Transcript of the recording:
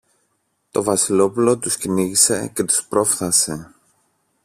Το Βασιλόπουλο τους κυνήγησε και τους πρόφθασε.